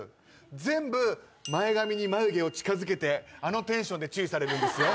全部前髪に眉毛を近づけてあのテンションで注意されるんですよ。